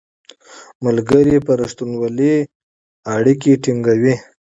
ملګري په رښتینولۍ اړیکې ټینګوي